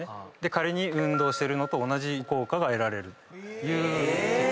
仮に運動してるのと同じ効果が得られる。